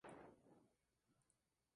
Los personajes tienen expresiones vivas.